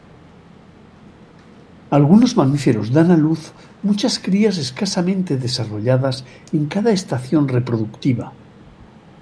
Algunos mamíferos dan a luz muchas crías escasamente desarrolladas en cada estación reproductiva.